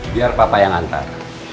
biar papa yang antar